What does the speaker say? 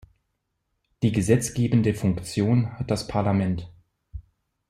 Die gesetzgebende Funktion hat das Parlament.